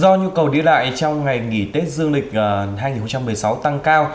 do nhu cầu đi lại trong ngày nghỉ tết dương lịch hai nghìn một mươi sáu tăng cao